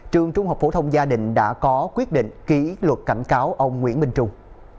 trường trung học phổ thông gia đình đã có quyết định ký luật cảnh cáo ông nguyễn minh trung